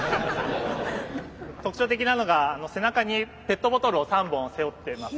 特徴的なのが背中にペットボトルを３本背負っています。